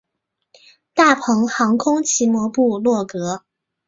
大鹏航空奇摩部落格